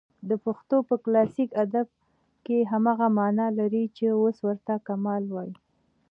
د پښتو په کلاسیک ادب کښي هماغه مانا لري، چي اوس ورته کمال وايي.